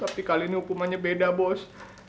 tapi kali ini hukumannya beda bos